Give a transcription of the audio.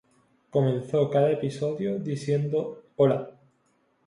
Comenzó cada episodio diciendo, "¡Hola!